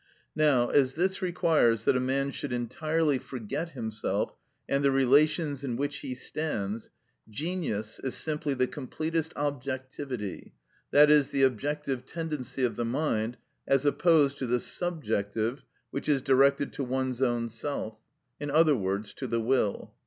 Now, as this requires that a man should entirely forget himself and the relations in which he stands, genius is simply the completest objectivity, i.e., the objective tendency of the mind, as opposed to the subjective, which is directed to one's own self—in other words, to the will.